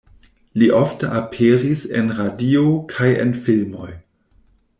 Li ofte aperis en radio kaj en filmoj.